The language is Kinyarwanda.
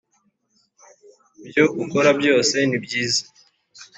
byo ukora byose ni byiza